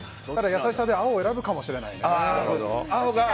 優しさで青を選ぶかもしれないね。